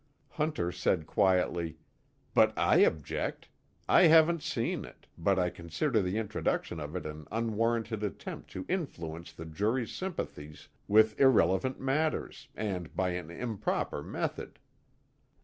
Hunter said quietly: "But I object. I haven't seen it, but I consider the introduction of it an unwarranted attempt to influence the jury's sympathies with irrelevant matters, and by an improper method."